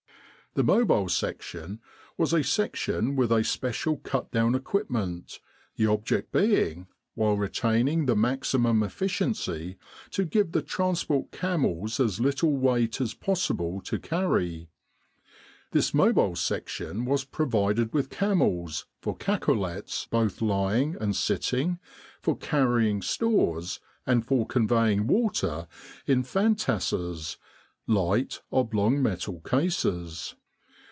The Mobile Section was a section with a special cut down equipment, the object being, while retaining the maximum efficiency, to give the trans port camels as little weight as possible to carry. This Mobile Section was provided with camels for cacolets both lying and sitting, for carrying stores, and for conveying water in fantasses light oblong metal cases.